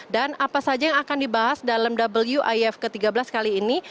dan apa saja yang akan dibahas dalam wif ke tiga belas kali ini